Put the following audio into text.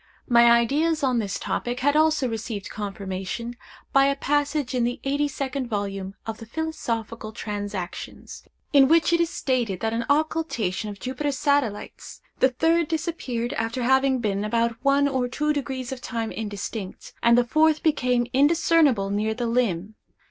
My ideas on this topic had also received confirmation by a passage in the eighty second volume of the Philosophical Transactions, in which it is stated that at an occultation of Jupiter's satellites, the third disappeared after having been about 1″ or 2″ of time indistinct, and the fourth became indiscernible near the limb.